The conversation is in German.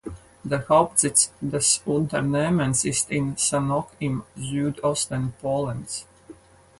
Der Hauptsitz des Unternehmens ist in Sanok im Südosten Polens.